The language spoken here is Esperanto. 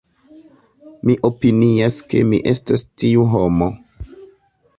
Mi opinias ke mi estas tiu homo.